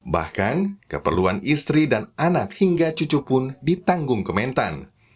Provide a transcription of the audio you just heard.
bahkan keperluan istri dan anak hingga cucu pun ditanggung kementan